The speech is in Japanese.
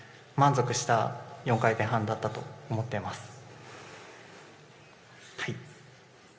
満足した４回転半だと思っています